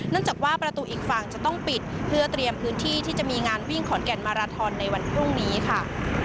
จากว่าประตูอีกฝั่งจะต้องปิดเพื่อเตรียมพื้นที่ที่จะมีงานวิ่งขอนแก่นมาราทอนในวันพรุ่งนี้ค่ะ